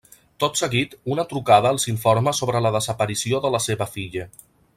Tot seguit, una trucada els informa sobre la desaparició de la seva filla.